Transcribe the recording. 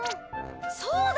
そうだ！